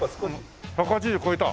１８０超えた？